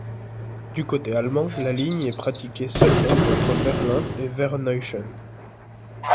Du côté allemand, la ligne est pratiquée seulement entre Berlin et Werneuchen.